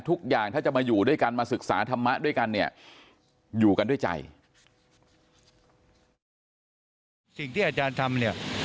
ทุกอย่างถ้าจะมาอยู่ด้วยกันมาศึกษาธรรมะด้วยกันเนี่ยอยู่กันด้วยใจ